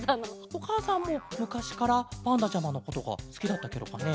おかあさんもむかしからパンダちゃまのことがすきだったケロかね？